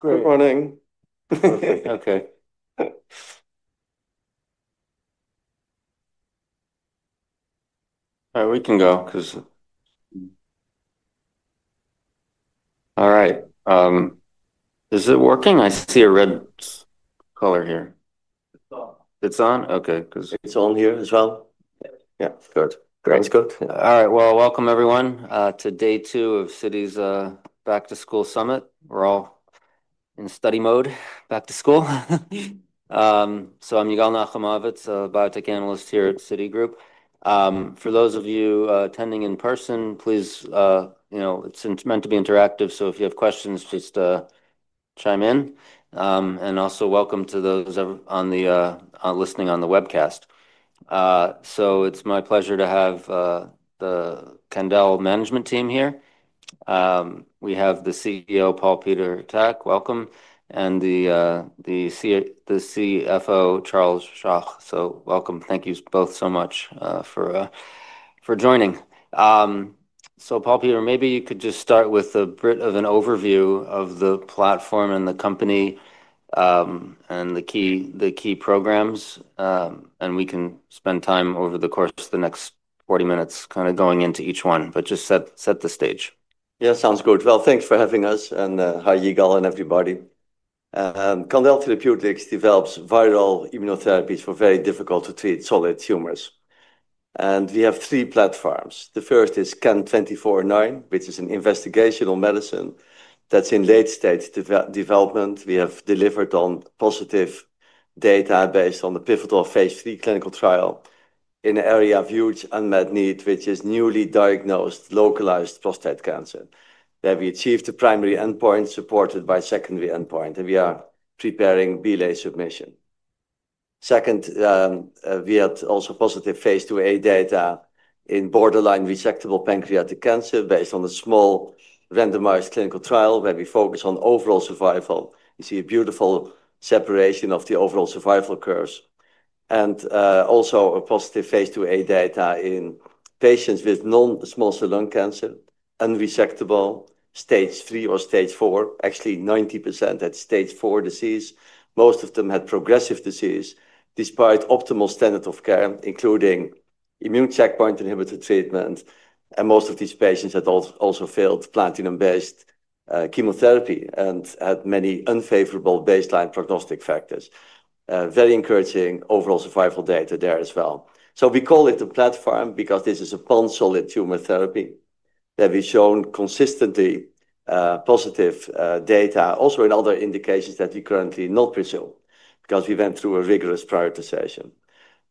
Good morning. Okay. Okay. All right, we can go. All right, is it working? I see a red color here. It's on? Okay. It's on here as well. Yeah, good. Great. It's good. All right. Welcome everyone to day two of Citi's Back to School Summit. We're all in study mode, back to school. I'm Jelena Hromavec, a biotech analyst here at Citi. For those of you attending in person, it's meant to be interactive, so if you have questions, just chime in. Also, welcome to those listening on the webcast. It's my pleasure to have the Candel Management Team here. We have the CEO, Paul Peter Tak, welcome, and the CFO, Charles Schoch. Welcome. Thank you both so much for joining. Paul Peter, maybe you could just start with a bit of an overview of the platform and the company and the key programs, and we can spend time over the course of the next 40 minutes going into each one, but just set the stage. Yeah, sounds good. Thanks for having us, and hi Jelena and everybody. Candel Therapeutics develops viral immunotherapies for very difficult to treat solid tumors. We have three platforms. The first is CAN-2409, which is an investigational medicine that's in late-stage development. We have delivered on positive data based on the pivotal phase 3 clinical trial in an area of huge unmet need, which is newly diagnosed localized prostate cancer, where we achieved the primary endpoint supported by secondary endpoint, and we are preparing BLA submission. Second, we had also positive phase 2a data in borderline resectable pancreatic cancer based on a small randomized clinical trial where we focus on overall survival. You see a beautiful separation of the overall survival curves. Also, positive phase 2a data in patients with non-small cell lung cancer, unresectable, stage 3 or stage 4. Actually, 90% had stage 4 disease. Most of them had progressive disease despite optimal standard of care, including immune checkpoint inhibitor treatment. Most of these patients had also failed platinum-based chemotherapy and had many unfavorable baseline prognostic factors. Very encouraging overall survival data there as well. We call it a platform because this is a pan solid tumor therapy that we've shown consistently positive data, also in other indications that we currently do not pursue because we went through a rigorous prioritization.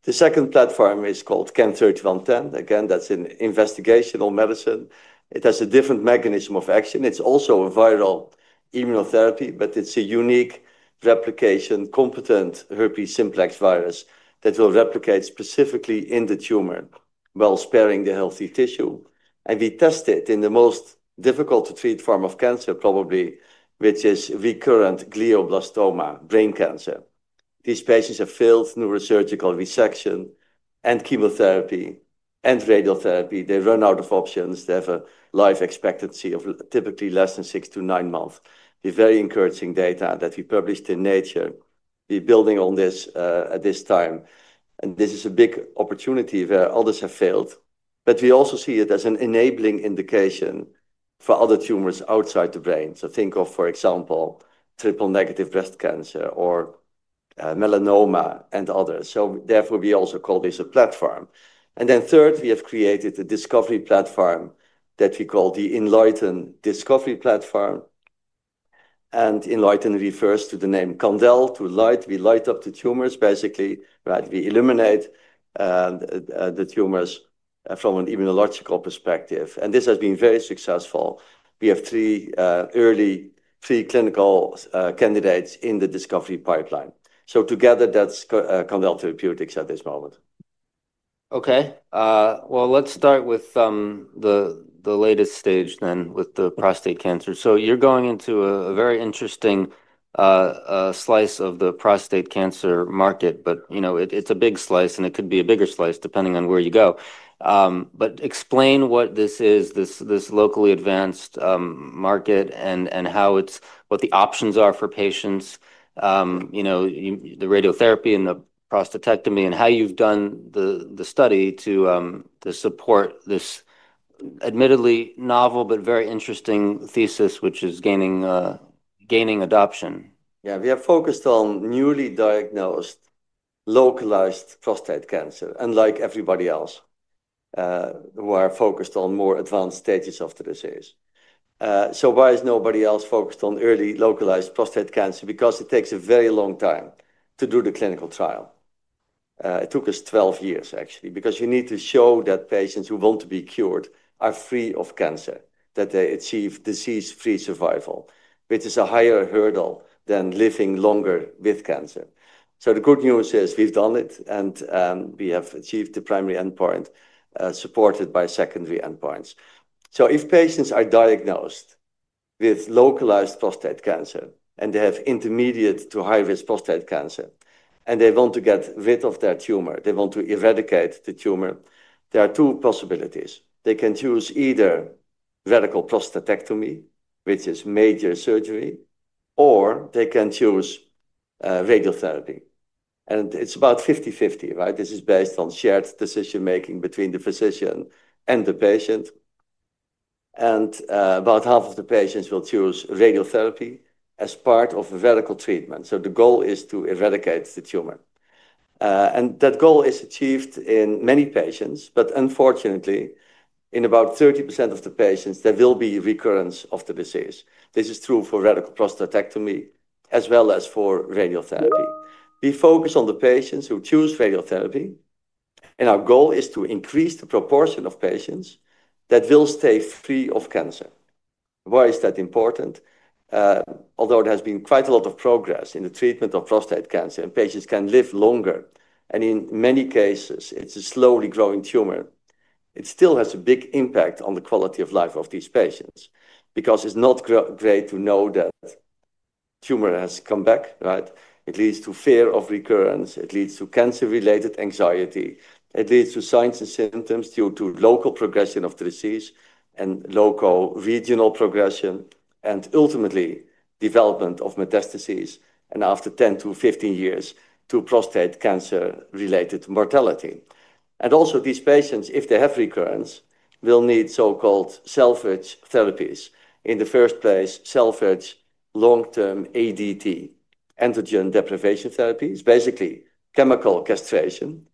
The second platform is called CAN-3110. Again, that's an investigational medicine. It has a different mechanism of action. It's also a viral immunotherapy, but it's a unique replication-competent herpes simplex virus that will replicate specifically in the tumor while sparing the healthy tissue. We test it in the most difficult to treat form of cancer, probably, which is recurrent glioblastoma, brain cancer. These patients have failed neurosurgical resection and chemotherapy and radiotherapy. They run out of options. They have a life expectancy of typically less than six to nine months. We have very encouraging data that we published in Nature. We're building on this at this time. This is a big opportunity where others have failed. We also see it as an enabling indication for other tumors outside the brain. Think of, for example, triple negative breast cancer or melanoma and others. Therefore, we also call this a platform. Third, we have created a discovery platform that we call the enLIGHTEN Discovery Platform. enLIGHTEN refers to the name Candel, to light. We light up the tumors, basically, right? We illuminate the tumors from an immunological perspective. This has been very successful. We have three early, three clinical candidates in the discovery pipeline. Together, that's Candel Therapeutics at this moment. Let's start with the latest stage then with the prostate cancer. You're going into a very interesting slice of the prostate cancer market, but you know it's a big slice and it could be a bigger slice depending on where you go. Explain what this is, this locally advanced market and how it's, what the options are for patients, you know, the radiotherapy and the prostatectomy and how you've done the study to support this admittedly novel but very interesting thesis, which is gaining adoption. Yeah, we have focused on newly diagnosed localized prostate cancer unlike everybody else who are focused on more advanced stages of the disease. Why is nobody else focused on early localized prostate cancer? Because it takes a very long time to do the clinical trial. It took us 12 years, actually, because you need to show that patients who want to be cured are free of cancer, that they achieve disease-free survival, which is a higher hurdle than living longer with cancer. The good news is we've done it and we have achieved the primary endpoint supported by secondary endpoints. If patients are diagnosed with localized prostate cancer and they have intermediate to high-risk prostate cancer and they want to get rid of their tumor, they want to eradicate the tumor, there are two possibilities. They can choose either radical prostatectomy, which is major surgery, or they can choose radiotherapy. It's about 50-50, right? This is based on shared decision-making between the physician and the patient. About half of the patients will choose radiotherapy as part of a radical treatment. The goal is to eradicate the tumor. That goal is achieved in many patients, but unfortunately, in about 30% of the patients, there will be a recurrence of the disease. This is true for radical prostatectomy as well as for radiotherapy. We focus on the patients who choose radiotherapy, and our goal is to increase the proportion of patients that will stay free of cancer. Why is that important? Although there has been quite a lot of progress in the treatment of prostate cancer and patients can live longer, and in many cases, it's a slowly growing tumor, it still has a big impact on the quality of life of these patients because it's not great to know that the tumor has come back, right? It leads to fear of recurrence. It leads to cancer-related anxiety. It leads to signs and symptoms due to local progression of the disease and local regional progression and ultimately development of metastases. After 10- 15 years, to prostate cancer-related mortality. Also these patients, if they have recurrence, will need so-called salvage therapies. In the first place, salvage long-term ADT, androgen deprivation therapy, is basically chemical castration,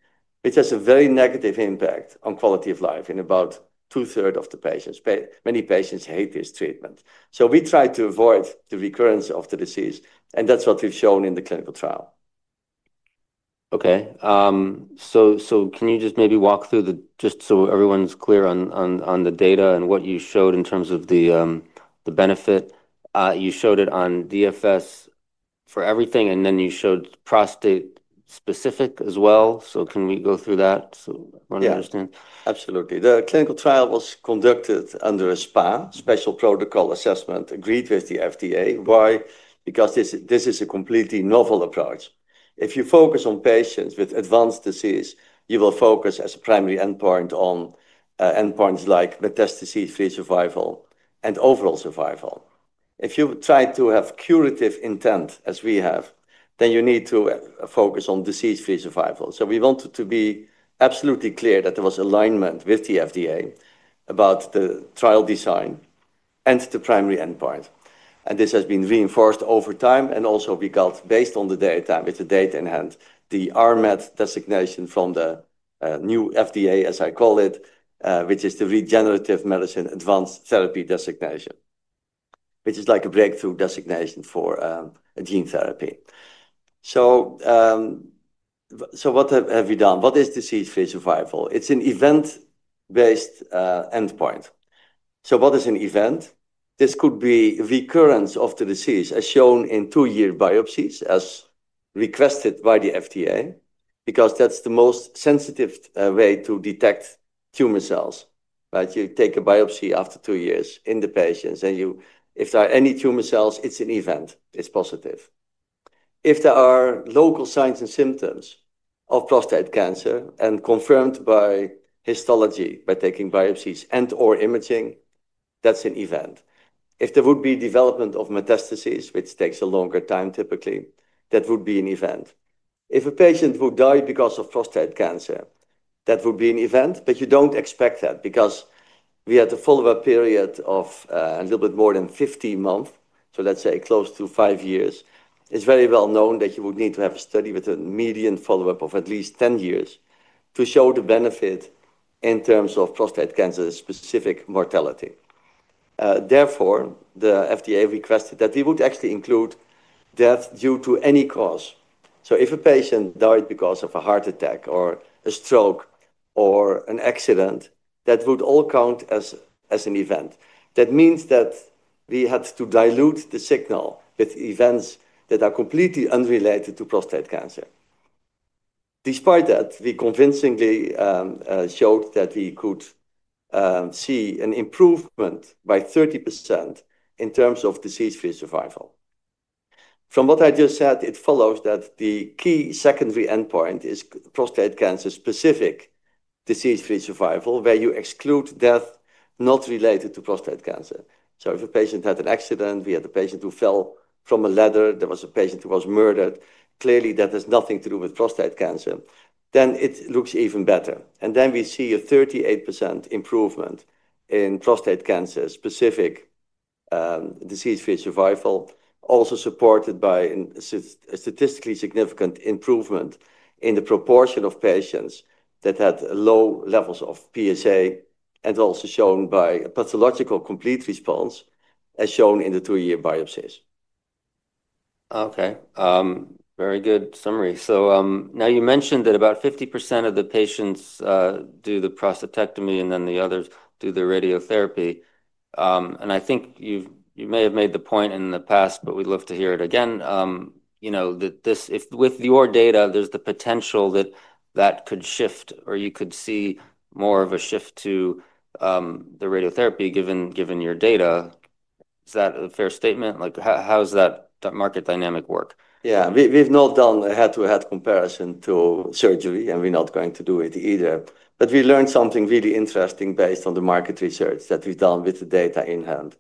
which has a very negative impact on quality of life in about two-thirds of the patients. Many patients hate this treatment. We try to avoid the recurrence of the disease, and that's what we've shown in the clinical trial. Okay. Can you just maybe walk through, just so everyone's clear on the data and what you showed in terms of the benefit? You showed it on DFS for everything, and then you showed prostate specific as well. Can we go through that? I want to understand. Yeah, absolutely. The clinical trial was conducted under a SPA, special protocol assessment, agreed with the FDA. Why? Because this is a completely novel approach. If you focus on patients with advanced disease, you will focus as a primary endpoint on endpoints like metastases-free survival and overall survival. If you try to have curative intent, as we have, then you need to focus on disease-free survival. We wanted to be absolutely clear that there was alignment with the FDA about the trial design and the primary endpoint. This has been reinforced over time, and also we got, based on the data, with the data in hand, the RMAT designation from the new FDA, as I call it, which is the Regenerative Medicine Advanced Therapy designation, which is like a breakthrough designation for gene therapy. What have we done? What is disease-free survival? It's an event-based endpoint. What is an event? This could be a recurrence of the disease, as shown in two-year biopsies, as requested by the FDA, because that's the most sensitive way to detect tumor cells. You take a biopsy after two years in the patients, and if there are any tumor cells, it's an event. It's positive. If there are local signs and symptoms of prostate cancer and confirmed by histology, by taking biopsies and/or imaging, that's an event. If there would be development of metastases, which takes a longer time typically, that would be an event. If a patient would die because of prostate cancer, that would be an event, but you don't expect that because we had a follow-up period of a little bit more than 50 months, so let's say close to five years. It's very well known that you would need to have a study with a median follow-up of at least 10 years to show the benefit in terms of prostate cancer-specific mortality. Therefore, the FDA requested that we would actually include death due to any cause. If a patient died because of a heart attack or a stroke or an accident, that would all count as an event. That means that we had to dilute the signal with events that are completely unrelated to prostate cancer. Despite that, we convincingly showed that we could see an improvement by 30% in terms of disease-free survival. From what I just said, it follows that the key secondary endpoint is prostate cancer-specific disease-free survival where you exclude death not related to prostate cancer. If a patient had an accident, we had a patient who fell from a ladder, there was a patient who was murdered, clearly that has nothing to do with prostate cancer, then it looks even better. We see a 38% improvement in prostate cancer-specific disease-free survival, also supported by a statistically significant improvement in the proportion of patients that had low levels of PSA and also shown by a pathological complete response as shown in the two-year biopsies. Very good summary. You mentioned that about 50% of the patients do the prostatectomy and then the others do the radiotherapy. I think you may have made the point in the past, but we'd love to hear it again. With your data, there's the potential that that could shift or you could see more of a shift to the radiotherapy given your data. Is that a fair statement? How does that market dynamic work? Yeah, we've not done a head-to-head comparison to surgery and we're not going to do it either. We learned something really interesting based on the market research that we've done with the data in hand.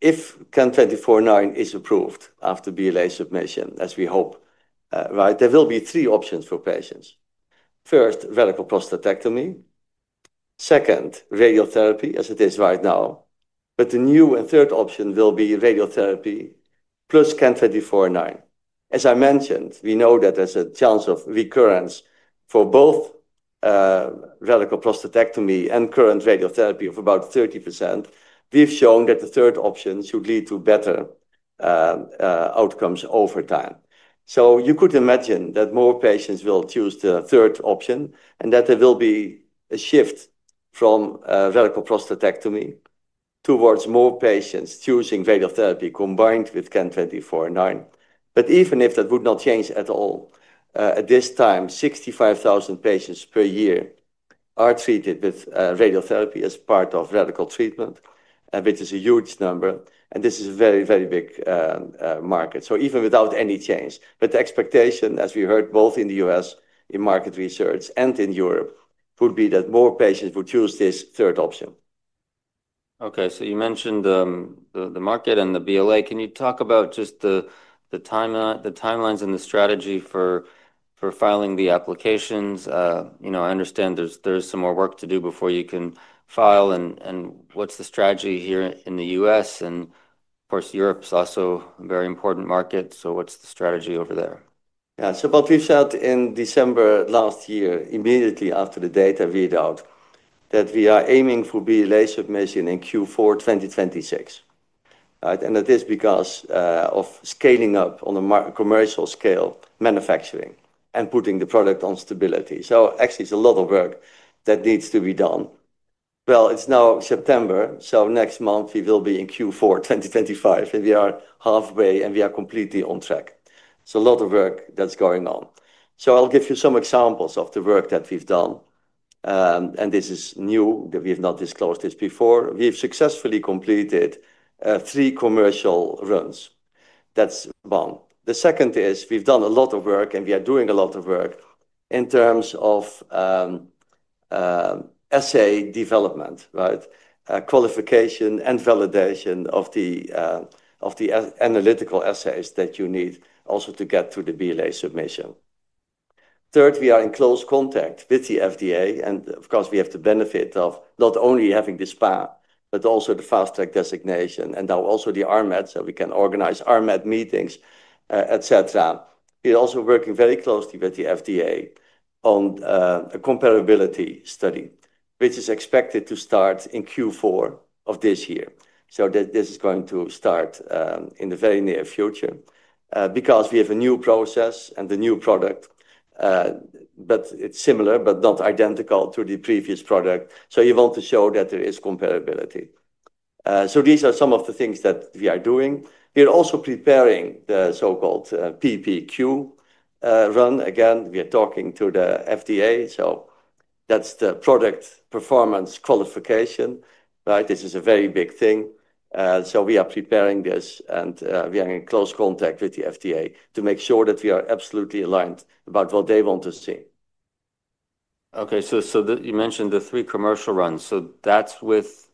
If CAN-2409 is approved after BLA submission, as we hope, there will be three options for patients. First, radical prostatectomy. Second, radiotherapy as it is right now. The new and third option will be radiotherapy plus CAN-2409. As I mentioned, we know that there's a chance of recurrence for both radical prostatectomy and current radiotherapy of about 30%. We've shown that the third option should lead to better outcomes over time. You could imagine that more patients will choose the third option and that there will be a shift from radical prostatectomy towards more patients choosing radiotherapy combined with CAN-2409. Even if that would not change at all, at this time, 65,000 patients per year are treated with radiotherapy as part of radical treatment, which is a huge number. This is a very, very big market. Even without any change, the expectation, as we heard both in the U.S., in market research, and in Europe, would be that more patients would choose this third option. Okay, you mentioned the market and the BLA. Can you talk about just the timelines and the strategy for filing the applications? I understand there's some more work to do before you can file. What's the strategy here in the U.S.? Europe's also a very important market. What's the strategy over there? Yeah, so what we've said in December last year, immediately after the data readout, is that we are aiming for BLA submission in Q4 2026, right? That is because of scaling up on a commercial scale manufacturing and putting the product on stability. Actually, it's a lot of work that needs to be done. It's now September, so next month we will be in Q4 2025, and we are halfway, and we are completely on track. It's a lot of work that's going on. I'll give you some examples of the work that we've done. This is new, that we have not disclosed this before. We've successfully completed three commercial runs. That's one. The second is we've done a lot of work, and we are doing a lot of work in terms of assay development, right? Qualification and validation of the analytical assays that you need also to get through the BLA submission. Third, we are in close contact with the FDA, and of course, we have the benefit of not only having the SPA, but also the FastTrack designation, and now also the RMET, so we can organize RMET meetings, et cetera. We are also working very closely with the FDA on a comparability study, which is expected to start in Q4 of this year. This is going to start in the very near future because we have a new process and a new product, but it's similar, but not identical to the previous product. You want to show that there is comparability. These are some of the things that we are doing. We are also preparing the so-called PPQ run. Again, we are talking to the FDA. That's the product performance qualification, right? This is a very big thing. We are preparing this, and we are in close contact with the FDA to make sure that we are absolutely aligned about what they want to see. Okay, you mentioned the three commercial runs. That's with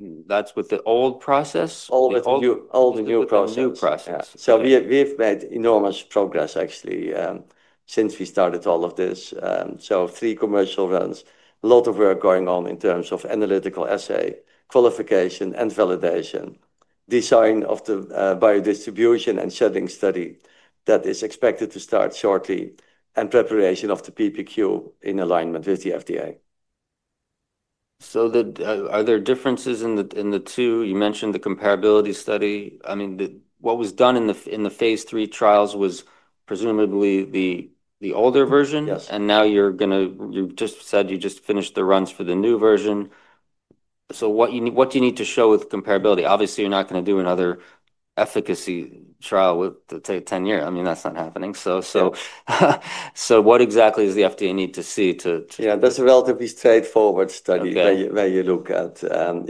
the old process? Old new process. We've made enormous progress actually since we started all of this. Three commercial runs, a lot of work going on in terms of analytical assay, qualification and validation, design of the biodistribution and shedding study that is expected to start shortly, and preparation of the PPQ in alignment with the FDA. Are there differences in the two? You mentioned the comparability study. What was done in the phase 3 trials was presumably the older version, and now you're going to, you just finished the runs for the new version. What do you need to show with comparability? Obviously, you're not going to do another efficacy trial with, let's say, a 10-year. I mean, that's not happening. What exactly does the FDA need to see to? That's a relatively straightforward study where you look at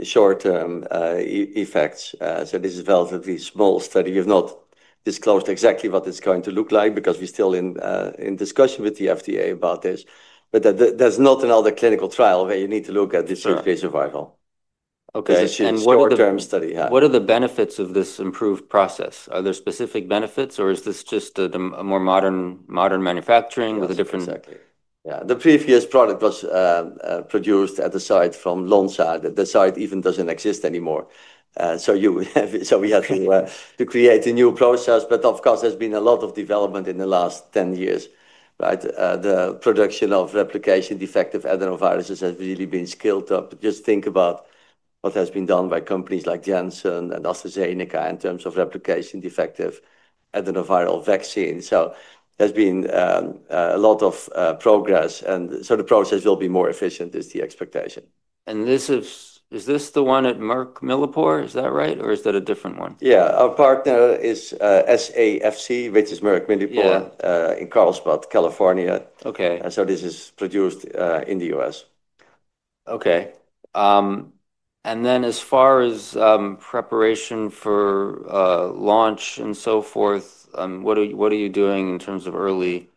short-term effects. This is a relatively small study. We've not disclosed exactly what it's going to look like because we're still in discussion with the FDA about this, but there's not another clinical trial where you need to look at disease-free survival. Okay. It's a short-term study. What are the benefits of this improved process? Are there specific benefits, or is this just a more modern manufacturing with a different? Yeah, the previous product was produced at the site from Lonside. The site even doesn't exist anymore. We had to create a new process, but of course, there's been a lot of development in the last 10 years, right? The production of replication defective adenoviruses has really been scaled up. Just think about what has been done by companies like Janssen and AstraZeneca in terms of replication defective adenoviral vaccines. There's been a lot of progress, and the process will be more efficient is the expectation. Is this the one at Merck-Millipore, is that right, or is that a different one? Our partner is SAFC, which is Merck-Millipore, in Carlsbad, California. Okay. This is produced in the U.S. Okay. As far as preparation for launch and so forth, what are you doing in terms of early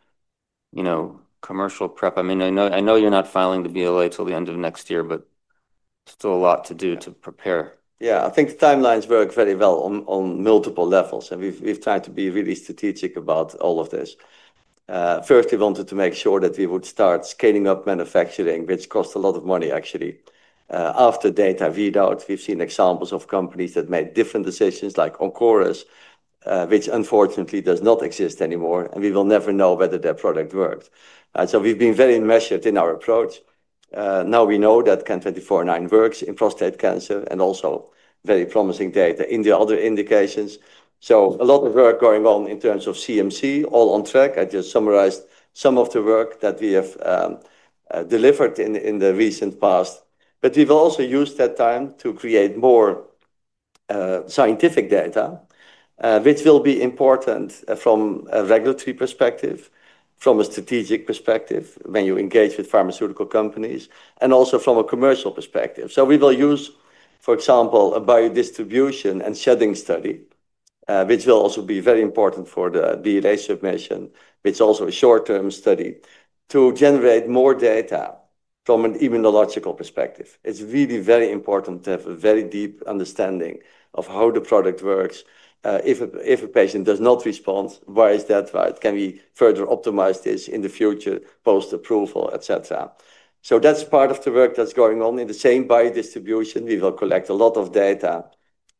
commercial prep? I know you're not filing the BLA till the end of next year, but it's still a lot to do to prepare. Yeah, I think the timelines work very well on multiple levels, and we've tried to be really strategic about all of this. First, we wanted to make sure that we would start scaling up manufacturing, which costs a lot of money actually. After data readouts, we've seen examples of companies that made different decisions like Oncorus, which unfortunately does not exist anymore, and we will never know whether their product worked. We've been very measured in our approach. Now we know that CAN-2409 works in prostate cancer and also very promising data in the other indications. A lot of work is going on in terms of CMC, all on track. I just summarized some of the work that we have delivered in the recent past. We will also use that time to create more scientific data, which will be important from a regulatory perspective, from a strategic perspective when you engage with pharmaceutical companies, and also from a commercial perspective. We will use, for example, a biodistribution and shedding study, which will also be very important for the BLA submission, which is also a short-term study, to generate more data from an immunological perspective. It's really very important to have a very deep understanding of how the product works. If a patient does not respond, why is that right? Can we further optimize this in the future post-approval, et cetera? That's part of the work that's going on in the same biodistribution. We will collect a lot of data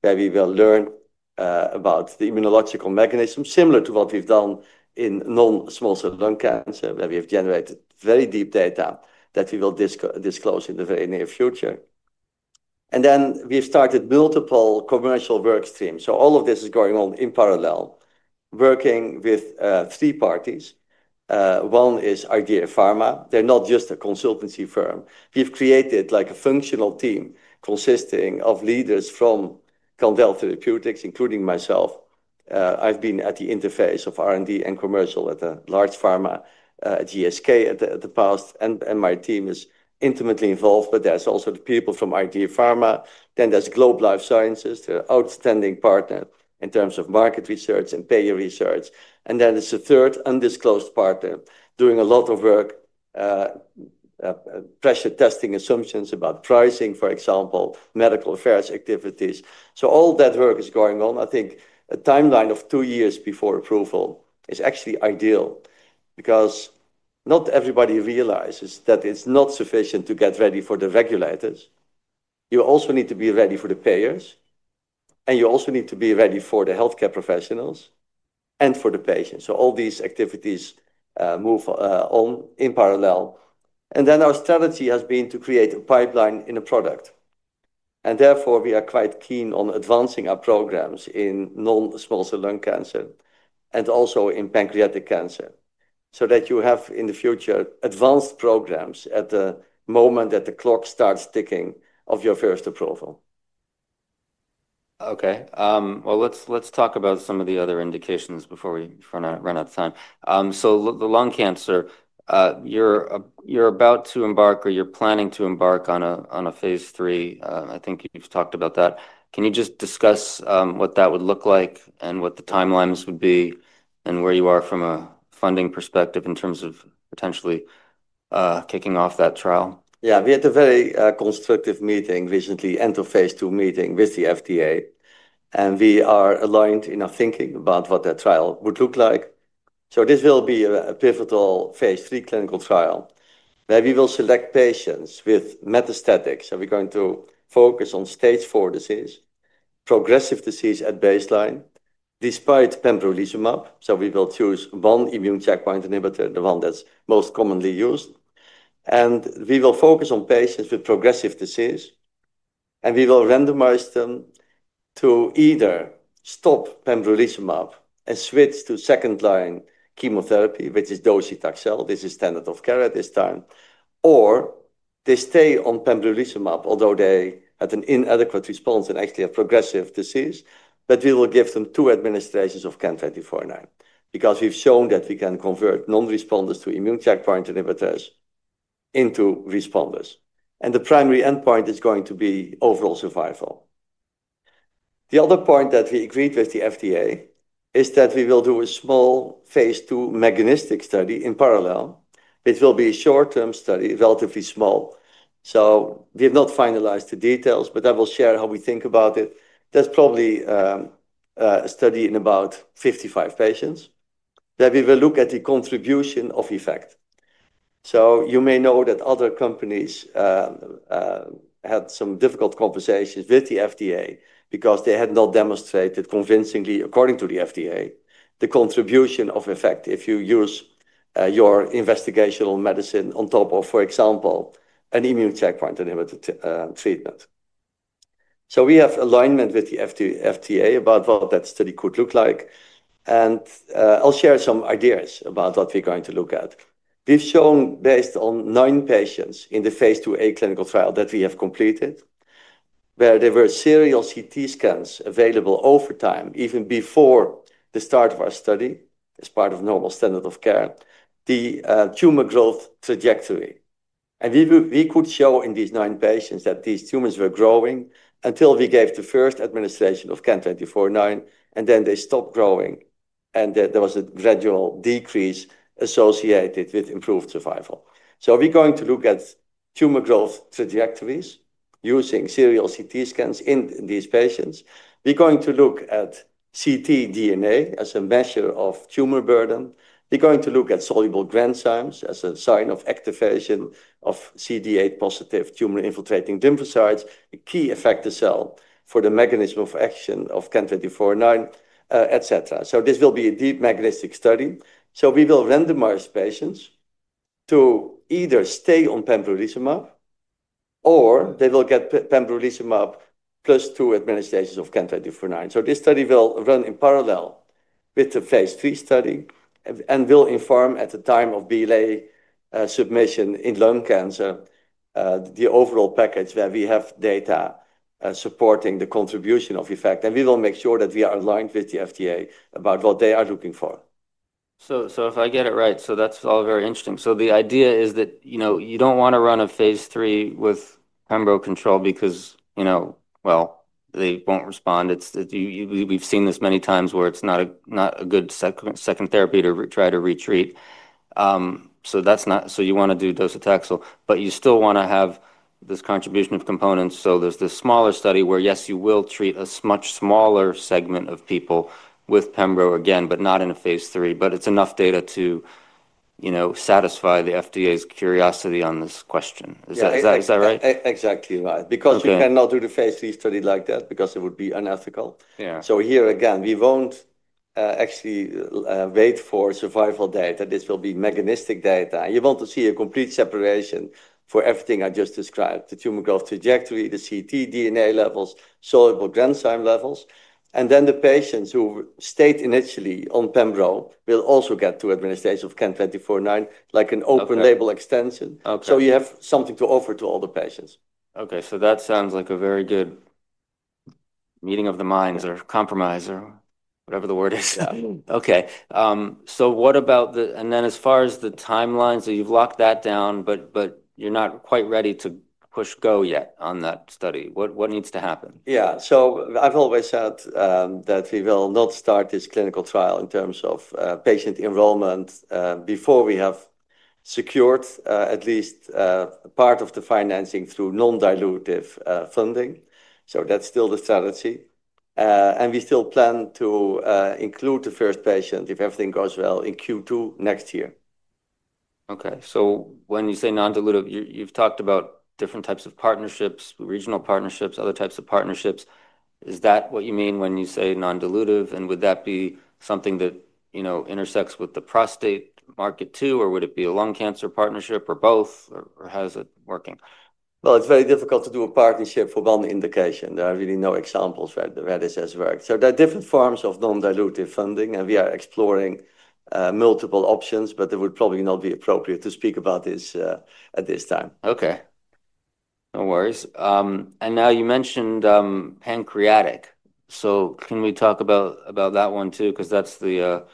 where we will learn about the immunological mechanism, similar to what we've done in non-small cell lung cancer, where we have generated very deep data that we will disclose in the very near future. We've started multiple commercial work streams. All of this is going on in parallel, working with three parties. One is Idea Pharma. They're not just a consultancy firm. We've created a functional team consisting of leaders from Candel Therapeutics, including myself. I've been at the interface of R&D and commercial at a large pharma at GSK in the past, and my team is intimately involved, but there's also the people from Idea Pharma. Then there's Globe Life Sciences. They're an outstanding partner in terms of market research and payer research. There's a third undisclosed partner doing a lot of work, pressure testing assumptions about pricing, for example, medical affairs activities. All that work is going on. I think a timeline of two years before approval is actually ideal because not everybody realizes that it's not sufficient to get ready for the regulators. You also need to be ready for the payers, and you also need to be ready for the healthcare professionals and for the patients. All these activities move on in parallel. Our strategy has been to create a pipeline in a product, and therefore, we are quite keen on advancing our programs in non-small cell lung cancer and also in pancreatic cancer so that you have in the future advanced programs at the moment that the clock starts ticking of your first approval. Let's talk about some of the other indications before we run out of time. The lung cancer, you're about to embark or you're planning to embark on a phase 3. I think you've talked about that. Can you just discuss what that would look like and what the timelines would be and where you are from a funding perspective in terms of potentially kicking off that trial? Yeah, we had a very constructive meeting recently, end-of-phase 2 meeting with the FDA, and we are aligned in our thinking about what that trial would look like. This will be a pivotal phase 3 clinical trial where we will select patients with metastatic disease. We're going to focus on stage 4 disease, progressive disease at baseline, despite pembrolizumab. We will choose one immune checkpoint inhibitor, the one that's most commonly used. We will focus on patients with progressive disease, and we will randomize them to either stop pembrolizumab and switch to second-line chemotherapy, which is docetaxel. This is standard of care at this time. Or they stay on pembrolizumab, although they had an inadequate response and actually have progressive disease, but we will give them two administrations of CAN-2409 because we've shown that we can convert non-responders to immune checkpoint inhibitors into responders. The primary endpoint is going to be overall survival. The other point that we agreed with the FDA is that we will do a small phase two mechanistic study in parallel. It will be a short-term study, relatively small. We have not finalized the details, but I will share how we think about it. That's probably a study in about 55 patients. We will look at the contribution of effect. You may know that other companies had some difficult conversations with the FDA because they had not demonstrated convincingly, according to the FDA, the contribution of effect if you use your investigational medicine on top of, for example, an immune checkpoint inhibitor treatment. We have alignment with the FDA about what that study could look like. I'll share some ideas about what we're going to look at. We've shown, based on nine patients in the phase 2A of a clinical trial that we have completed, where there were serial CT scans available over time, even before the start of our study, as part of normal standard of care, the tumor growth trajectory. We could show in these nine patients that these tumors were growing until we gave the first administration of CAN-2409, and then they stopped growing, and there was a gradual decrease associated with improved survival. We're going to look at tumor growth trajectories using serial CT scans in these patients. We're going to look at CT DNA as a measure of tumor burden. We're going to look at soluble granzymes as a sign of activation of CD8 positive tumor infiltrating lymphocytes, a key effector cell for the mechanism of action of CAN-2409, etc. This will be a deep mechanistic study. We will randomize patients to either stay on pembrolizumab or they will get pembrolizumab plus two administrations of CAN-2409. This study will run in parallel with the phase three study and will inform at the time of Biologics License Application (BLA) submission in lung cancer the overall package where we have data supporting the contribution of effect. We will make sure that we are aligned with the FDA about what they are looking for. If I get it right, that's all very interesting. The idea is that you don't want to run a phase three with pembrolizumab control because, you know, they won't respond. We've seen this many times where it's not a good second therapy to try to retreat. You want to do docetaxel, but you still want to have this contribution of components. There's this smaller study where, yes, you will treat a much smaller segment of people with pembrolizumab again, but not in a phase three. It's enough data to satisfy the FDA's curiosity on this question. Is that right? Exactly right. We cannot do the phase three study like that because it would be unethical. Yeah. Here again, we won't actually wait for survival data. This will be mechanistic data. You want to see a complete separation for everything I just described, the tumor growth trajectory, the ctDNA levels, soluble granzyme levels. The patients who stayed initially on pembrolizumab will also get two administrations of CAN-2409, like an open label extension. You have something to offer to all the patients. Okay. That sounds like a very good meeting of the minds or compromise or whatever the word is. What about the, and then as far as the timeline, you've locked that down, but you're not quite ready to push go yet on that study. What needs to happen? I've always said that we will not start this clinical trial in terms of patient enrollment before we have secured at least part of the financing through non-dilutive funding. That's still the strategy. We still plan to include the first patient, if everything goes well, in Q2 next year. When you say non-dilutive, you've talked about different types of partnerships, regional partnerships, other types of partnerships. Is that what you mean when you say non-dilutive? Would that be something that, you know, intersects with the prostate market too, or would it be a lung cancer partnership or both, or how is it working? It is very difficult to do a partnership for one indication. There are really no examples where this has worked. There are different forms of non-dilutive funding, and we are exploring multiple options, but it would probably not be appropriate to speak about this at this time. Okay. No worries. You mentioned pancreatic. Can we talk about that one too? That's the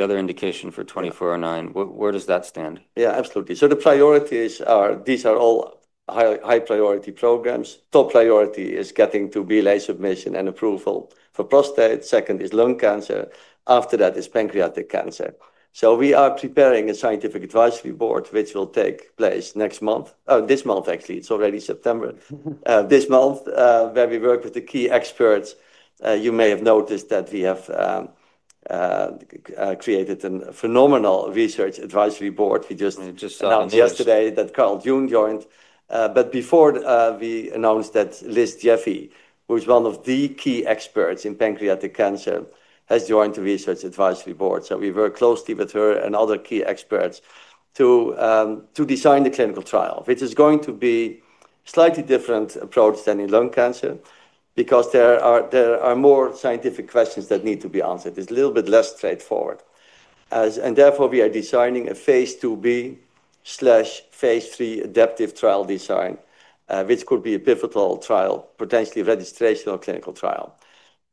other indication for CAN-2409. Where does that stand? Yeah, absolutely. The priorities are, these are all high priority programs. Top priority is getting to BLA submission and approval for prostate. Second is lung cancer. After that is pancreatic cancer. We are preparing a scientific advisory board, which will take place this month, it's already September, where we work with the key experts. You may have noticed that we have created a phenomenal research advisory board. We just announced yesterday that Carl June joined. Before we announced that, Liz Jaffe, who is one of the key experts in pancreatic cancer, has joined the research advisory board. We work closely with her and other key experts to design the clinical trial, which is going to be a slightly different approach than in lung cancer because there are more scientific questions that need to be answered. It's a little bit less straightforward. Therefore, we are designing a phase 2B/phase three adaptive trial design, which could be a pivotal trial, potentially a registrational clinical trial.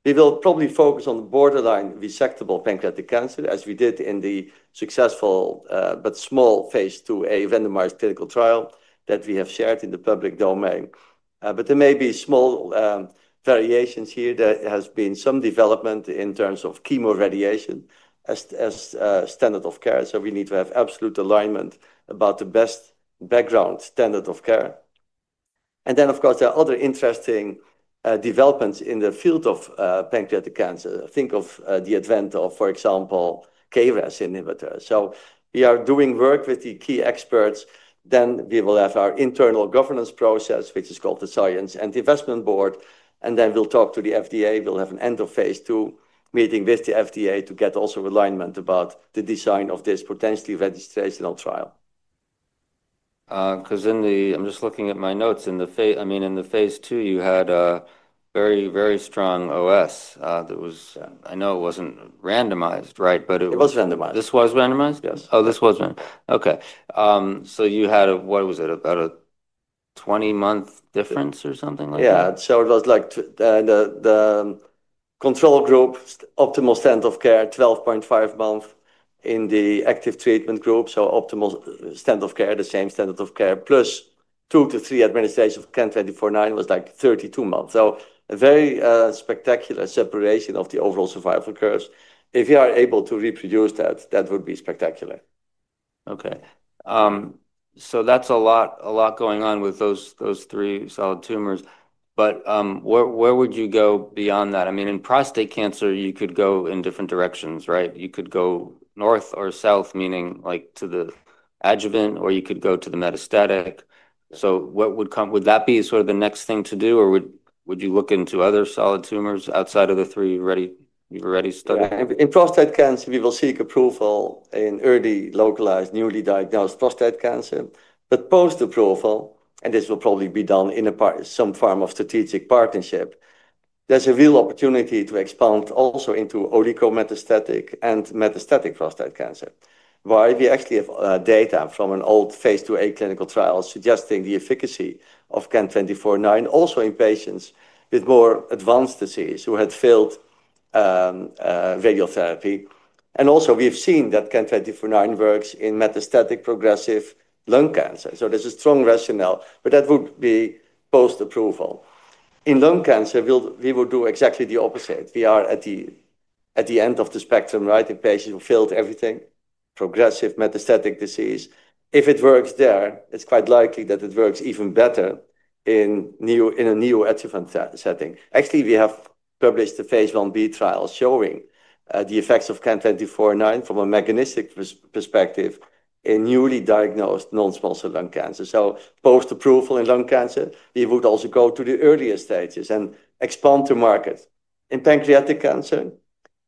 We will probably focus on the borderline resectable pancreatic cancer, as we did in the successful but small phase 2A randomized clinical trial that we have shared in the public domain. There may be small variations here. There has been some development in terms of chemoradiation as standard of care. We need to have absolute alignment about the best background standard of care. Of course, there are other interesting developments in the field of pancreatic cancer. Think of the advent of, for example, KRAS inhibitors. We are doing work with the key experts. We will have our internal governance process, which is called the Science and Investment Board. Then we'll talk to the FDA. We'll have an end-of-phase two meeting with the FDA to get also alignment about the design of this potentially registrational trial. In the phase two, you had a very, very strong OS. I know it wasn't randomized, right? It was randomized. This was randomized, yes. Oh, this was randomized. Okay. You had a, what was it, about a 20-month difference or something like that? It was like the control group, optimal standard of care, 12.5 months in the active treatment group. Optimal standard of care, the same standard of care, plus two to three administrations of CAN-2409 was like 32 months. A very spectacular separation of the overall survival curve. If you are able to reproduce that, that would be spectacular. That's a lot going on with those three solid tumors. Where would you go beyond that? I mean, in prostate cancer, you could go in different directions, right? You could go north or south, meaning like to the adjuvant, or you could go to the metastatic. What would come, would that be sort of the next thing to do, or would you look into other solid tumors outside of the three you've already studied? In prostate cancer, we will seek approval in early localized, newly diagnosed prostate cancer. Post-approval, and this will probably be done in some form of strategic partnership, there's a real opportunity to expand also into oligometastatic and metastatic prostate cancer. Why? We actually have data from an old phase 2A clinical trial suggesting the efficacy of CAN-2409, also in patients with more advanced disease who had failed radiotherapy. We've seen that CAN-2409 works in metastatic progressive lung cancer. There's a strong rationale, but that would be post-approval. In lung cancer, we will do exactly the opposite. We are at the end of the spectrum, right? In patients who failed everything, progressive metastatic disease. If it works there, it's quite likely that it works even better in a neoadjuvant setting. We have published a phase 1B trial showing the effects of CAN-2409 from a mechanistic perspective in newly diagnosed non-small cell lung cancer. Post-approval in lung cancer, we would also go to the earlier stages and expand to market. In pancreatic cancer,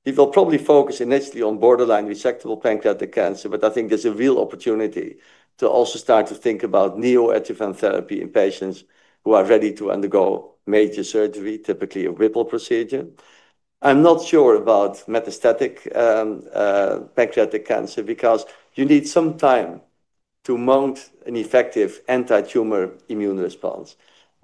we will probably focus initially on borderline resectable pancreatic cancer. I think there's a real opportunity to also start to think about neoadjuvant therapy in patients who are ready to undergo major surgery, typically a Whipple procedure. I'm not sure about metastatic pancreatic cancer because you need some time to mount an effective anti-tumor immune response.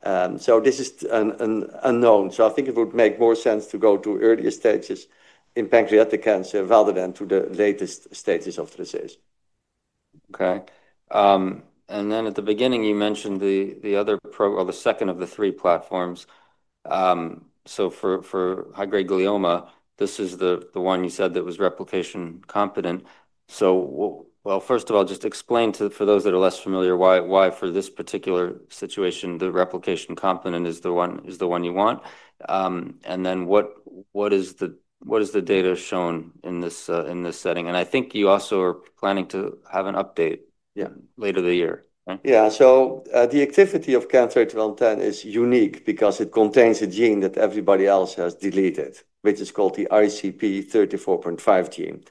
This is an unknown. I think it would make more sense to go to earlier stages in pancreatic cancer rather than to the latest stages of the disease. Okay. At the beginning, you mentioned the other program or the second of the three platforms. For high-grade glioma, this is the one you said that was replication competent. First of all, just explain to those that are less familiar why for this particular situation the replication competent is the one you want. What has the data shown in this setting? I think you also are planning to have an update later in the year. Yeah. The activity of CAN-3110 is unique because it contains a gene that everybody else has deleted, which is called the ICP34.5 gene.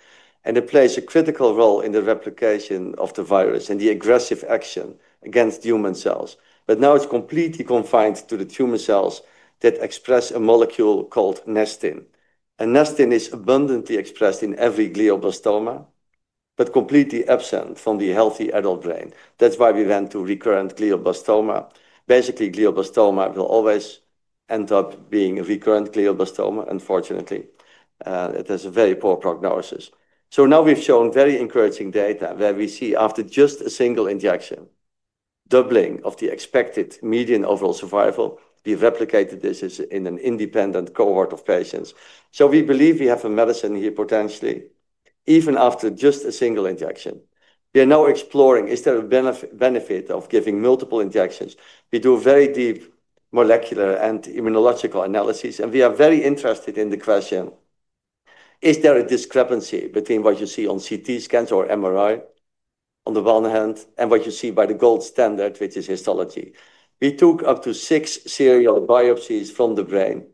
It plays a critical role in the replication of the virus and the aggressive action against human cells. Now it's completely confined to the tumor cells that express a molecule called Nestin. Nestin is abundantly expressed in every glioblastoma, but completely absent from the healthy adult brain. That's why we went to recurrent glioblastoma. Basically, glioblastoma will always end up being a recurrent glioblastoma, unfortunately. It has a very poor prognosis. We have shown very encouraging data where we see after just a single injection, doubling of the expected median OS. We replicated this in an independent cohort of patients. We believe we have a medicine here potentially, even after just a single injection. We are now exploring, is there a benefit of giving multiple injections? We do very deep molecular and immunological analyses, and we are very interested in the question, is there a discrepancy between what you see on CT scans or MRI on the one hand and what you see by the gold standard, which is histology? We took up to six serial biopsies from the brain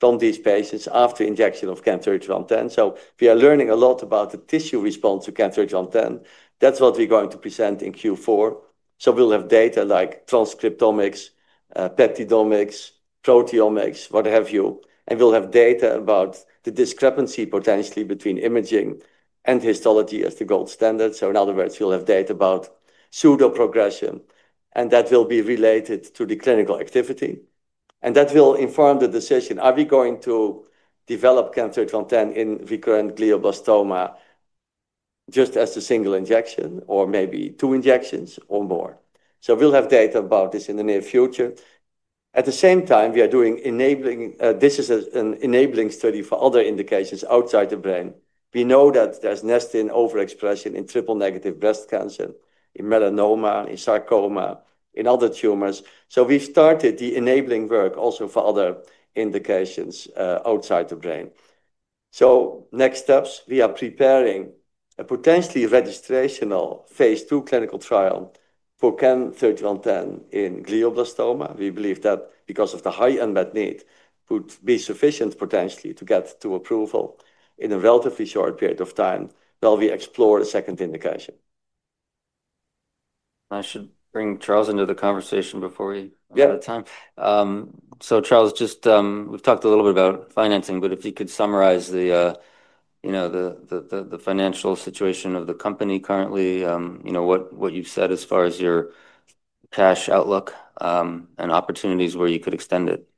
from these patients after injection of CAN-3110. We are learning a lot about the tissue response to CAN-3110. That's what we're going to present in Q4. We'll have data like transcriptomics, peptidomics, proteomics, what have you, and we'll have data about the discrepancy potentially between imaging and histology as the gold standard. In other words, you'll have data about pseudoprogression, and that will be related to the clinical activity. That will inform the decision, are we going to develop CAN-3110 in recurrent glioblastoma just as a single injection or maybe two injections or more? We'll have data about this in the near future. At the same time, we are doing enabling, this is an enabling study for other indications outside the brain. We know that there's Nestin overexpression in triple negative breast cancer, in melanoma, in sarcoma, in other tumors. We've started the enabling work also for other indications outside the brain. Next steps, we are preparing a potentially registrational phase two clinical trial for CAN-3110 in glioblastoma. We believe that because of the high unmet need, it would be sufficient potentially to get to approval in a relatively short period of time while we explore the second indication. I should bring Charles into the conversation before we run out of time. Charles, we've talked a little bit about financing, but if you could summarize the financial situation of the company currently, what you've said as far as your cash outlook and opportunities where you could extend it.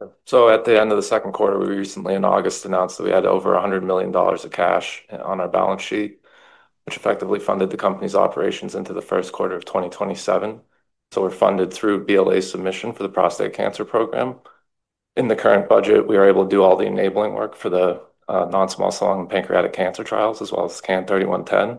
At the end of the second quarter, we recently in August announced that we had over $100 million of cash on our balance sheet, which effectively funded the company's operations into the first quarter of 2027. We're funded through BLA submission for the prostate cancer program. In the current budget, we are able to do all the enabling work for the non-small cell lung and pancreatic cancer trials as well as CAN-3110.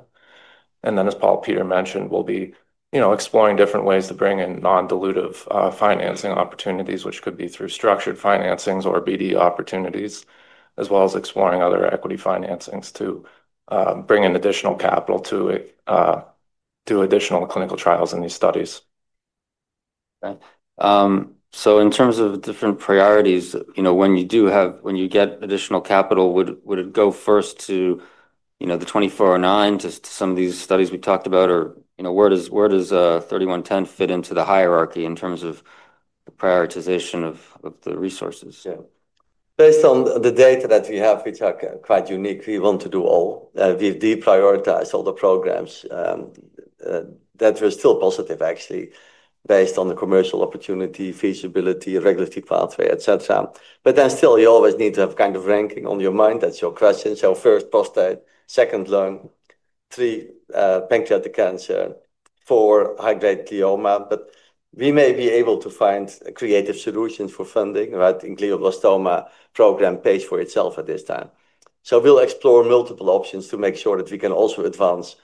As Paul Peter mentioned, we'll be exploring different ways to bring in non-dilutive financing opportunities, which could be through structured financings or BD opportunities, as well as exploring other equity financings to bring in additional capital to do additional clinical trials in these studies. In terms of different priorities, when you do have, when you get additional capital, would it go first to the CAN-2409 to some of these studies we've talked about, or where does CAN-3110 fit into the hierarchy in terms of prioritization of the resources? Yeah. Based on the data that we have, which are quite unique, we want to do all. We've deprioritized all the programs that are still positive, actually, based on the commercial opportunity, feasibility, regulatory pathway, et cetera. You always need to have a kind of ranking on your mind. That's your question. First, prostate; second, lung; three, pancreatic cancer; four, high-grade glioma. We may be able to find creative solutions for funding, right? The glioblastoma program pays for itself at this time. We'll explore multiple options to make sure that we can also advance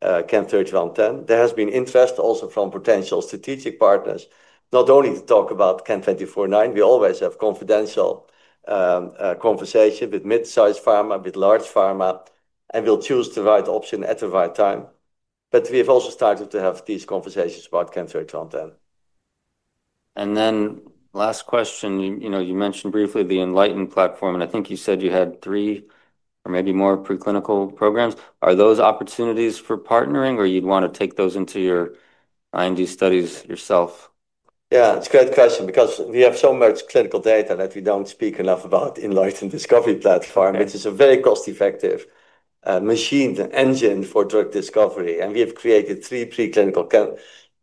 CAN-3110. There has been interest also from potential strategic partners, not only to talk about CAN-2409. We always have confidential conversations with mid-size pharma, with large pharma, and we'll choose the right option at the right time. We have also started to have these conversations about CAN-3110. You mentioned briefly the enLIGHTEN Discovery Platform, and I think you said you had three or maybe more preclinical programs. Are those opportunities for partnering, or you'd want to take those into your IND studies yourself? Yeah, it's a great question because we have so much clinical data that we don't speak enough about the enLIGHTEN Discovery Platform, which is a very cost-effective machine, the engine for drug discovery. We have created three preclinical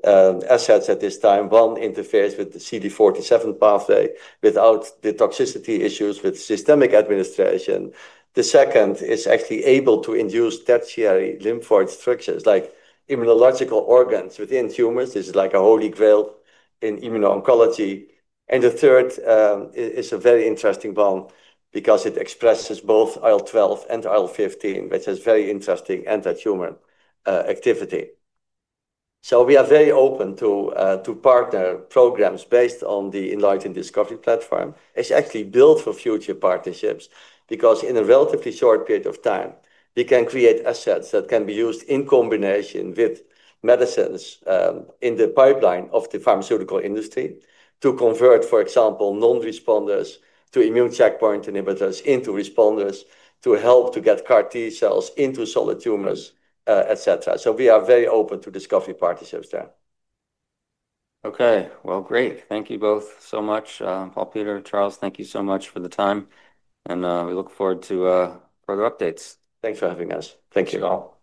assets at this time. One interferes with the CD47 pathway without the toxicity issues with systemic administration. The second is actually able to induce tertiary lymphoid structures, like immunological organs within tumors. This is like a holy grail in immuno-oncology. The third is a very interesting one because it expresses both IL-12 and IL-15, which is very interesting anti-tumor activity. We are very open to partner programs based on the enLIGHTEN Discovery Platform. It's actually built for future partnerships because in a relatively short period of time, we can create assets that can be used in combination with medicines in the pipeline of the pharmaceutical industry to convert, for example, non-responders to immune checkpoint inhibitors into responders to help to get CAR T cells into solid tumors, etc. We are very open to discovery partnerships there. Great. Thank you both so much. Paul Peter, Charles, thank you so much for the time. We look forward to further updates. Thanks for having us. Thank you all.